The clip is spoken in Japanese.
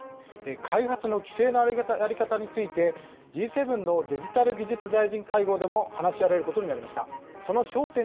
開発の規制の在り方について、Ｇ７のデジタル・技術大臣会合でも話し合われることになりました。